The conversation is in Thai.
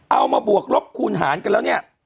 บวกลบคูณหารกันแล้วเนี่ย